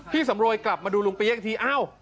สำรวยกลับมาดูลุงเปี๊ยกอีกทีอ้าว